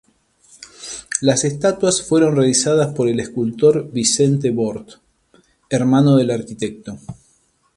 Las estatuas fueron realizadas por el escultor Vicente Bort, hermano del arquitecto.